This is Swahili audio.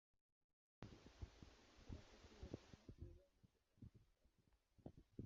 Harakati za kutoa albamu zilianza muda mrefu.